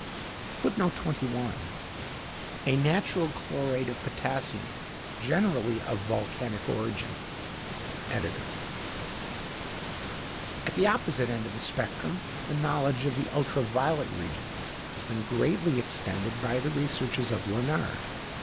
[Footnote 21: A natural chlorate of potassium, generally of volcanic origin. ED.] At the opposite end of the spectrum the knowledge of the ultra violet regions has been greatly extended by the researches of Lenard.